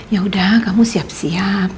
yaudah kamu siap siap